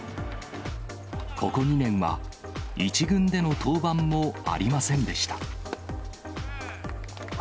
ここ２年は、１軍での登板もありませんでした。